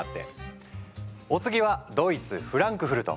お次はドイツフランクフルト。